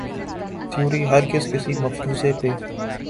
theory ہرگز کسی مفروضے پہ